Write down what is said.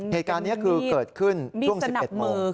เหตุการณ์นี้คือเกิดขึ้นช่วง๑๑โมง